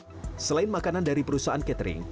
pada saat pemeriksaan makanan dari perusahaan catering